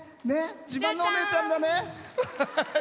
自慢のお姉ちゃんだね。